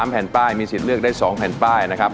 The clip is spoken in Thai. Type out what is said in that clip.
แผ่นป้ายมีสิทธิ์เลือกได้๒แผ่นป้ายนะครับ